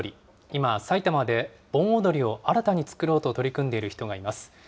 今、埼玉で盆踊りを新たに作ろうと取り組んでいる人がいます。